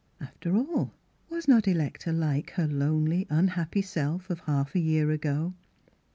After all, was not Electa like her lonely, unhappy self of half a year ago?